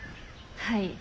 はい。